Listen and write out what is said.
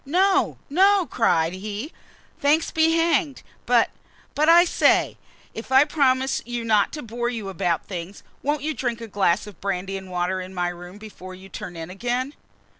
"No, no!" cried he, "thanks be hanged, but but, I say, if I promise you not to bore you about things won't you drink a glass of brandy and water in my room before you turn in again?"